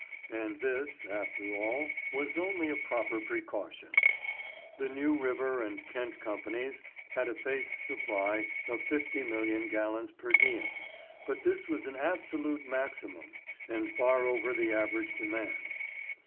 And this, after all, was only a proper precaution. The New River and Kent Companies had a face supply of 50,000,000 gallons per diem, but this was an absolute maximum and far over the average demand.